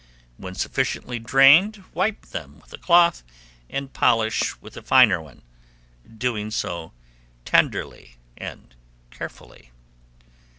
When sufficiently drained, wipe them with a cloth and polish with a finer one, doing so tenderly and carefully.